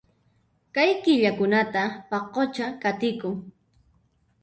Kay killakunata paqucha qatikun